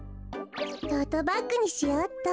トートバッグにしようっと。